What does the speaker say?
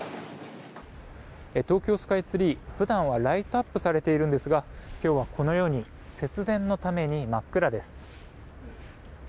東京スカイツリー普段はライトアップされているんですが今日はこのように節電のために真っ暗です。